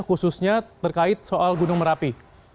khususnya terkait soal gunung merapi